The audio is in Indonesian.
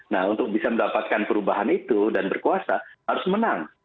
nah untuk bisa mendapatkan perubahan itu dan berkuasa harus menang